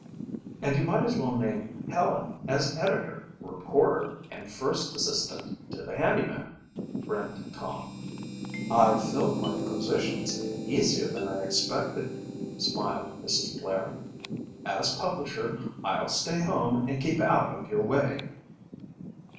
"And you might as well name Helen as editor, reporter and first assistant to the handyman," grinned Tom. "I've filled my positions easier than I expected," smiled Mrs. Blair. "As publisher, I'll stay at home and keep out of your way."